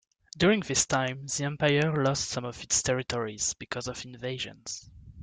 During his time, the empire lost some of its territories because of invasions.